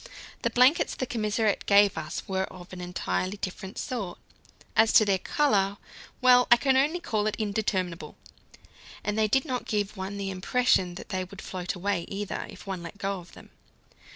The blankets the commissariat gave us were of an entirely different sort. As to their colour well, I can only call it indeterminable and they did not give one the impression that they would float away either, if one let go of them.